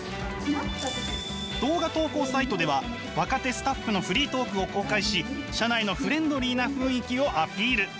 動画投稿サイトでは若手スタッフのフリートークを公開し社内のフレンドリーな雰囲気をアピール。